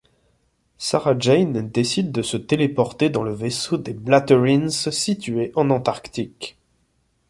Sarah Jane décide de se téléporter dans le vaisseau des Blathereens situés en Antarctique.